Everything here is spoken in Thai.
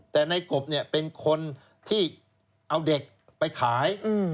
แต่ในกบเนี่ยเป็นคนที่เอาเด็กไปขาย